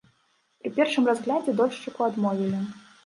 Пры першым разглядзе дольшчыку адмовілі.